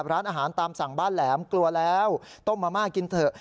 ร้านอาหารตามสั่งบ้านแหลมกลัวแล้วต้มมะม่ากินเถอะ